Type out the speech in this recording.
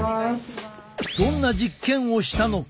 どんな実験をしたのか？